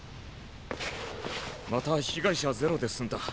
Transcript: また被害者ゼロで済んだ。